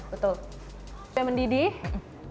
betul sampai mendidih